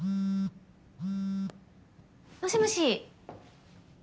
もしもし。